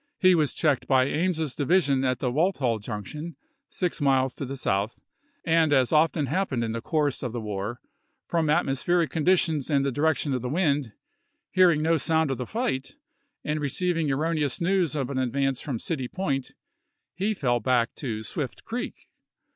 He was checked by Ames's divi sion at the Walthall Junction, six miles to the south, and as often happened in the course of the SPOTSYLVANIA AND COLD HARBOR 399 war, from atmospheric conditions and the direction chap. xv. of the wind, hearing no sound of the fight, and re ceiving erroneous news of an advance from City Point, he fell back to Swift Creek.